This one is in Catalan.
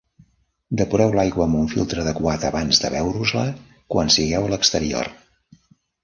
Depureu l'aigua amb un filtre adequat abans de beure-us-la quan sigueu a l'exterior.